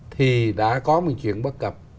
thì đã có một chuyện bất cập